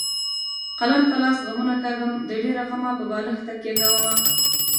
قلم په لاس غمونه کاږم د ډېره غمه په بالښت تکیه کومه.